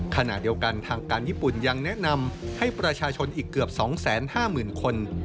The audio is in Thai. ขณะเดียวกันทางการญี่ปุ่นยังแนะนำให้ประชาชนอีกเกือบ๒๕๐๐๐คน